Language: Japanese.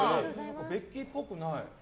ベッキーぽくない。